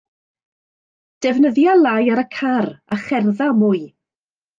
Defnyddia lai ar y car a cherdda mwy.